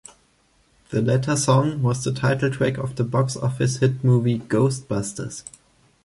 The latter song was the title track of the box office hit movie "Ghostbusters".